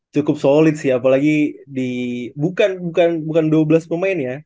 cukup solid sih apalagi di bukan dua belas pemain ya